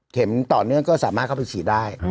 ต่อเนื่องก็สามารถเข้าไปฉีดได้